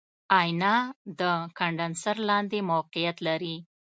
آئینه د کاندنسر لاندې موقعیت لري.